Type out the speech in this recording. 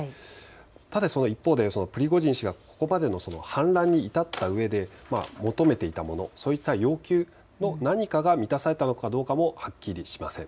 ただ一方でプリゴジン氏がここまでの反乱に至ったうえで求めていたもの、要求、何かが満たされたのかどうかもはっきりしません。